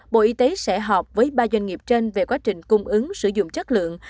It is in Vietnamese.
bộ y tế sẽ họp với ba doanh nghiệp trên về quá trình cung ứng sử dụng chất lượng